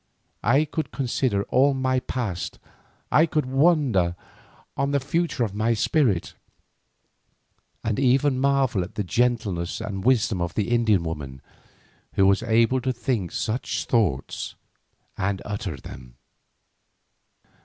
I could consider all my past, I could wonder on the future of my spirit, and even marvel at the gentleness and wisdom of the Indian woman, who was able to think such thoughts and utter them.